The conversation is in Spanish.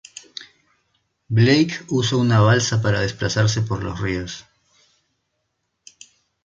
Blake usa una balsa para desplazarse por los ríos.